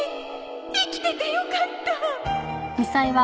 生きててよかった！